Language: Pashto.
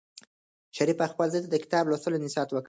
شریف خپل زوی ته د کتاب لوستلو نصیحت وکړ.